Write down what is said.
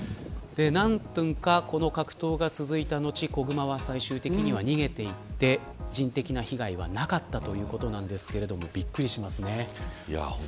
何分か格闘が続いたのち子グマは最終的には逃げていって人的な被害はなかったということなんですけれどもびっくりしますね。